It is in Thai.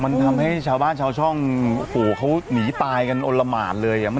มันทำให้ชาวบ้านชาวช่องโอ้โหเขาหนีตายกันอลละหมานเลยอ่ะ